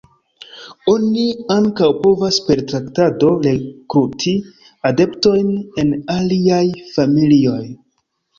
Oni ankaŭ povas per traktado rekruti adeptojn en aliaj familioj.